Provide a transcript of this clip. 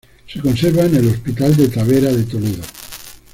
Se conserva en el Hospital de Tavera de Toledo.